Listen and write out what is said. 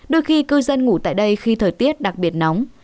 đôi khi cư dân ngủ tại đây khi thời tiết đặc biệt nóng